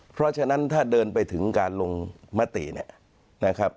เพราะฉะนั้นถ้าเดินไปถึงการลงมติเนี่ยนะครับ